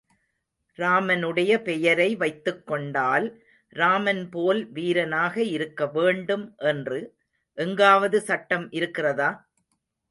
ராமனுடைய பெயரை வைத்துக் கொண்டால் ராமன்போல் வீரனாக இருக்க வேண்டும் என்று எங்காவது சட்டம் இருக்கிறதா?